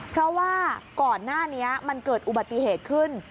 เพราะว่าก่อนหน้านี้มันเกิดอุบัติเหตุขึ้น